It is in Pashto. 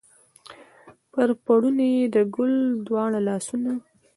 پر پوړني یې د ګل دواړه لاسونه